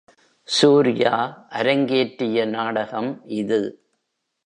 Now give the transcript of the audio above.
சூர்யா அரங்கேற்றிய நாடகம் இது!